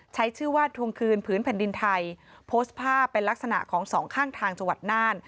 ใช้ชื่อว่าทวงคืนผืนแผ่นดินไทยโพสต์ภาพเป็นลักษณะของสองข้างทางจังหวัดน่าน